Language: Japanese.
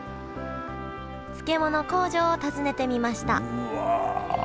漬物工場を訪ねてみましたうわ。